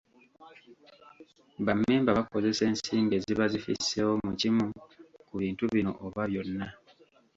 Bammemba bakozesa ensimbi eziba zifisseewo mu kimu ku bintu bino oba byonna.